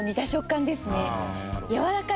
やわらかい。